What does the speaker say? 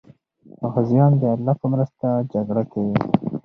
غازیان د الله په مرسته جګړه کوي.